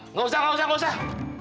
nggak usah nggak usah nggak usah